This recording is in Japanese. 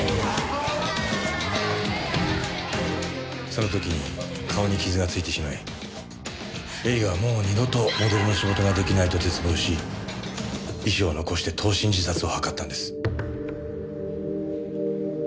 その時顔に傷がついてしまい絵里はもう二度とモデルの仕事は出来ないと絶望し遺書を残して投身自殺を図ったんです。